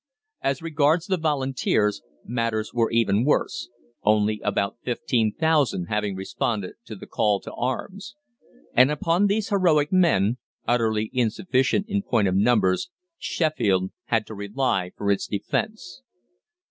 As regards the Volunteers, matters were even worse, only about fifteen thousand having responded to the call to arms. And upon these heroic men, utterly insufficient in point of numbers, Sheffield had to rely for its defence.